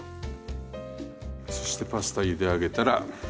そしてパスタゆで上げたら。